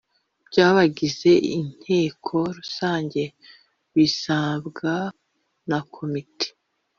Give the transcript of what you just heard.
by abagize inteko rusange bisabwa na komite